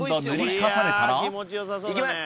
いきます！